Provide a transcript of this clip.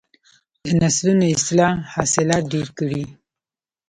د نسلونو اصلاح حاصلات ډیر کړي.